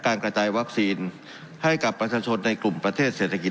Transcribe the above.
กระจายวัคซีนให้กับประชาชนในกลุ่มประเทศเศรษฐกิจ